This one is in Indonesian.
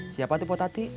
siapa tuh potati